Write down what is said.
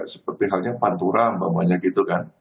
seperti halnya panturang bambangnya gitu kan